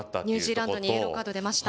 ニューランドにイエローカード出ました。